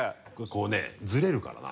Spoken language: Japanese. こうねずれるからな。